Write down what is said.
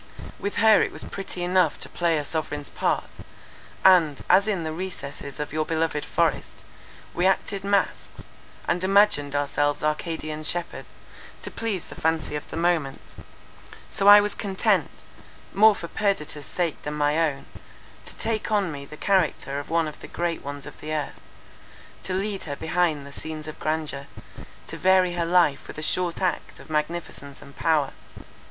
With her it was pretty enough to play a sovereign's part; and, as in the recesses of your beloved forest we acted masques, and imagined ourselves Arcadian shepherds, to please the fancy of the moment—so was I content, more for Perdita's sake than my own, to take on me the character of one of the great ones of the earth; to lead her behind the scenes of grandeur, to vary her life with a short act of magnificence and power.